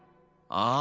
ああ。